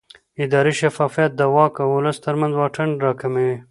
اداري شفافیت د واک او ولس ترمنځ واټن راکموي